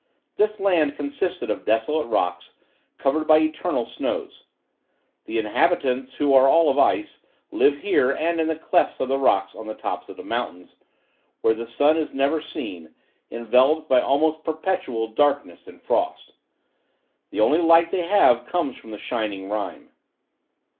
This land consisted of desolate rocks, covered by eternal snows. The inhabitants who are all of ice, live here and there in the clefts of the rocks on the tops of the mountains, where the sun is never seen, enveloped by almost perpetual darkness and frost. The only light they have comes from the shining rime.